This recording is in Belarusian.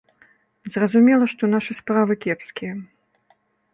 Зразумела, што нашы справы кепскія.